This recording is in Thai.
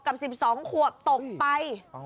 กับ๑๒ขวบตกไป